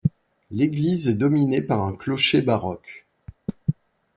L'église est dominée par un clocher baroque.